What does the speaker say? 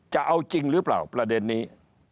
จะเอาจริงหรือเปล่าประเด็นนี้